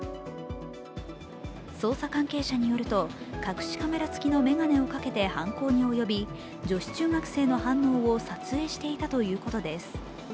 捜査関係者によると、隠しカメラ付きの眼鏡をかけて犯行に及び、女子中学生の反応を撮影していたということです。